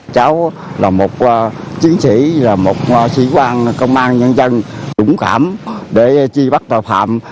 cháu là một chiến sĩ là một sĩ quan công an nhân dân dũng cảm để chi bắt bậc hàm